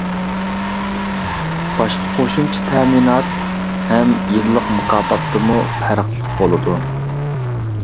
باشقا قوشۇمچە تەمىنات ھەم يىللىق مۇكاپاتتىمۇ پەرقلىق بولىدۇ.